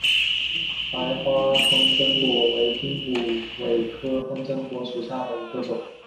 白花风筝果为金虎尾科风筝果属下的一个种。